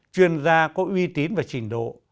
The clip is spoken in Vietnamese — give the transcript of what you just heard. chuyên gia có uy tín và trình độ